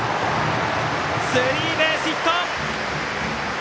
スリーベースヒット！